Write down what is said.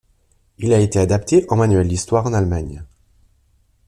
Il a été adapté en manuel d'histoire en Allemagne.